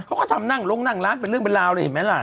เขาก็ทำลงนั่งล้างเป็นเรื่องเป็นราวเลยเห็นมั้ยล่ะ